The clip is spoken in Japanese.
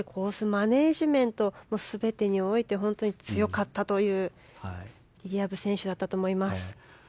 マネジメント全てにおいて本当に強かったというリリア・ブ選手だったと思います。